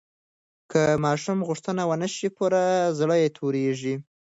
که ماشوم غوښتنه ونه شي پوره، زړه یې تورېږي.